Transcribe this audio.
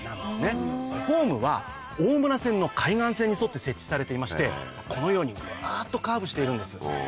ホームは大村線の海岸線に沿って設置されていましてこのようにぐっとカーブしているんです。